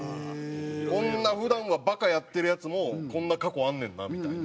こんな普段はバカやってるヤツもこんな過去あんねんなみたいな。